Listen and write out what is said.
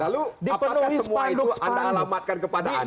lalu apakah semua itu anda alamatkan kepada anies